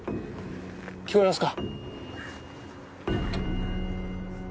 聞こえますか？